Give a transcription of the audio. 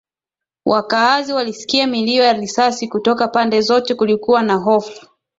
Wakaazi walisikia milio ya risasi kutoka pande zote Kulikuwa na hofu